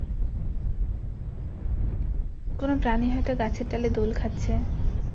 কোন প্রাণী হয়তো গাছের ডালে দোল খাচ্ছে।